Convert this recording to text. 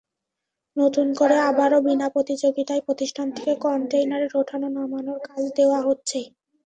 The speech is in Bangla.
নতুন করে আবারও বিনা প্রতিযোগিতায় প্রতিষ্ঠানটিকে কনটেইনার ওঠানো-নামানোর কাজ দেওয়া হচ্ছে।